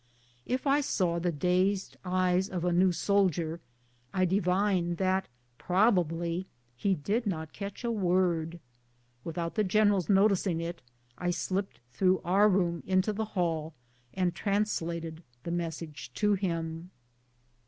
H I saw the dazed eyes of a new soldier, I divined that probably he did not catch a 148 BOOTS AND SADDLES. word. Without the general's noticing it, I slipped through our room into the hall and translated the mes sage to him.